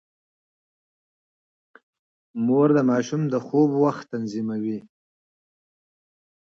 مور د ماشوم د خوب وخت تنظيموي.